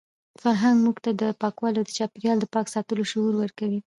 فرهنګ موږ ته د پاکوالي او د چاپیریال د پاک ساتلو شعور ورکوي.